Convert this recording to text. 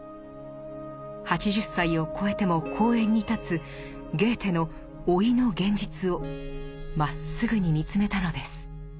８０歳をこえても講演に立つゲーテの老いの現実をまっすぐに見つめたのです。